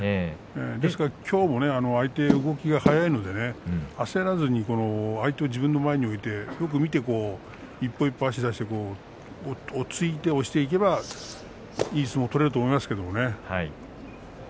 ですから、きょうも相手の動きが速いので焦らずに相手を自分の前に置いてよく見て一歩一歩足を出して落ち着いて押していけばいい相撲を取れると思いますよ。